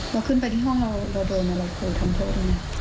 แล้วขึ้นไปที่ห้องเราโดนแล้วคุณทำโทษได้ไหม